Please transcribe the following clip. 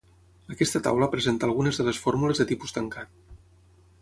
Aquesta taula presenta algunes de les fórmules de tipus tancat.